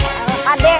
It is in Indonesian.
ya allah pakde